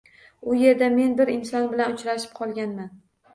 U yerda men bir inson bilan uchrashib qolganman.